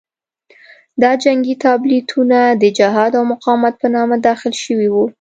دا جنګي تابلیتونه د جهاد او مقاومت په نامه داخل شوي وو.